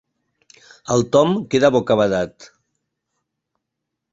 El Tom queda bocabadat.